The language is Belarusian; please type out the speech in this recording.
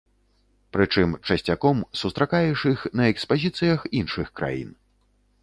Прычым, часцяком сустракаеш іх на экспазіцыях іншых краін.